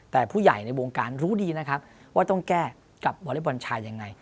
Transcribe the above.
แต่ผู้ใหญ่ในวงการรู้ดีนะครับว่าต้องแก้กับวอเล็กบอลชายยังไง